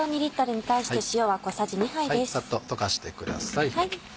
サッと溶かしてください。